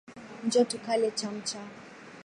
Njoo tukale chamcha.